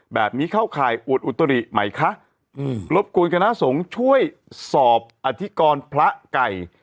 แบบนี้เข้าข่ายอวดอุตริใหม่คะรบกวนคณะสงฆ์ช่วยสอบอธิกรพระไก่